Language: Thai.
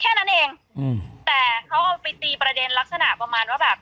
แค่นั้นเองอืมแต่เขาเอาไปตีประเด็นลักษณะประมาณว่าแบบ